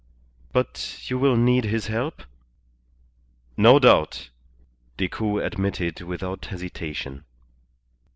"But you will need his help?" "No doubt," Decoud admitted without hesitation.